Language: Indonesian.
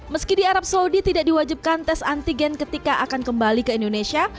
meski di arab saudi tidak diwajibkan tes antigen ketika akan kembali ke indonesia